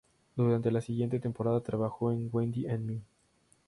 Durante la siguiente temporada, trabajó en "Wendy and Me".